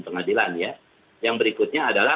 pengadilan ya yang berikutnya adalah